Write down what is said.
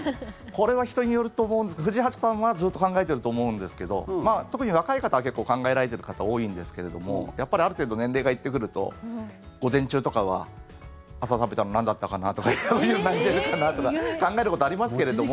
これは人によると思うんですが藤井八冠はずっと考えていると思うんですが特に若い方は結構考えられている方多いんですけれどもやっぱりある程度年齢が行ってくると午前中とかは朝食べたのなんだったかなとかお昼何出るかなとか考えることありますけれども。